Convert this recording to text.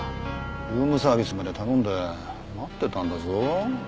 ルームサービスまで頼んで待ってたんだぞ。